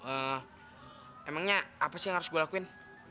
emangnya apa sih yang harus gue lakuin